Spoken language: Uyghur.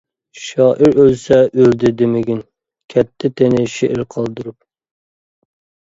شائىر ئۆلسە، ئۆلدى دېمىگىن، كەتتى تېنى شېئىر قالدۇرۇپ.